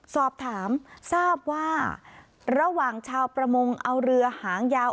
สอบถามทราบว่าระหว่างชาวประมงเอาเรือหางยาว